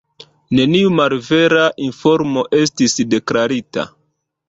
Neniu malvera informo estis deklarita.